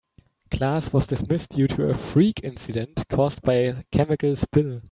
Class was dismissed due to a freak incident caused by a chemical spill.